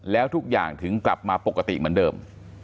แล้วทุกอย่างถึงกลับมาปกติเหมือนเดิม